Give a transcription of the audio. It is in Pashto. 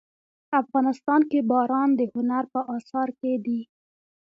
افغانستان کې باران د هنر په اثار کې دي.